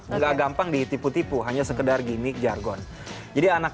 enggak gampang ditipu tipu hanya sekedar gimmick jargon